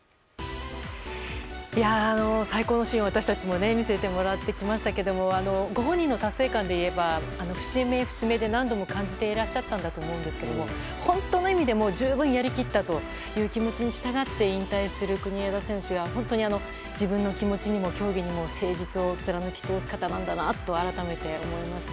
最高のシーンを私たちも見せてもらってきましたけどご本人の達成感でいえば節目節目で何度も感じていらっしゃったんだと思いますが本当の意味で十分やり切ったという気持ちに従って引退する国枝選手は本当に自分の気持ちにも競技にも誠実を貫き通す方なんだなと改めて思いました。